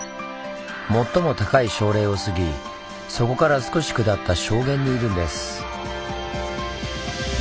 最も高い礁嶺を過ぎそこから少し下った礁原にいるんです。